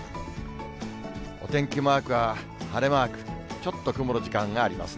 お天気マークは晴れマーク、ちょっと曇る時間がありますね。